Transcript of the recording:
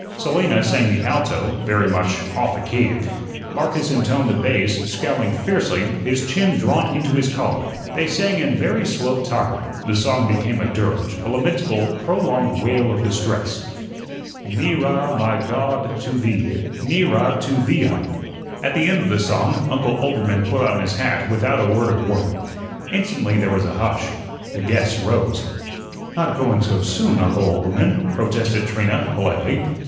Selina sang the "alto," very much off the key; Marcus intoned the bass, scowling fiercely, his chin drawn into his collar. They sang in very slow time. The song became a dirge, a lamentable, prolonged wail of distress: "Nee rah, my Gahd, to Thee, Nee rah to Thee ah." At the end of the song, Uncle Oelbermann put on his hat without a word of warning. Instantly there was a hush. The guests rose. "Not going so soon, Uncle Oelbermann?" protested Trina, politely.